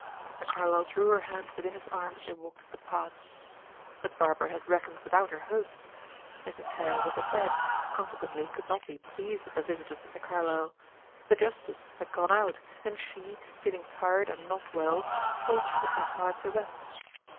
Mr. Carlyle drew her hand within his arm as they walked up the path. But Barbara had reckoned without her host. Mrs. Hare was in bed, consequently could not be pleased at the visit of Mr. Carlyle. The justice had gone out, and she, feeling tired and not well, thought she would retire to rest.